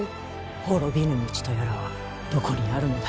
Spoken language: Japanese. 滅びぬ道とやらはどこにあるのだ。